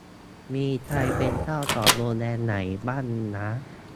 มีใครเป็นเจ้าของโรงแรมไหนบ้างน้า